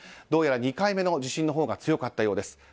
どうやら２回目の地震のほうが強かったようです。